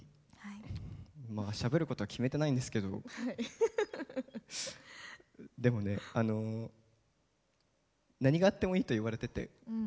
しゃべること決めてないんですけどでもね、何があってもいいと言われてて。